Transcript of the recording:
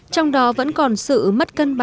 trong đó vẫn còn sự mất cân bản